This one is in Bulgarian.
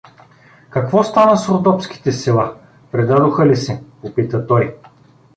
— Какво стана с родопските села, предадоха ли се? — попита той.